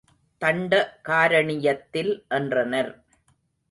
தண்ட காரணியத்தில் என்றனர்.